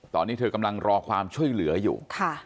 ตอนนี้เธอกำลังรอความช่วยเหลืออยู่